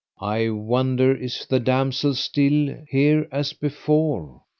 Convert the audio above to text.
I wonder is the damsel still here as before?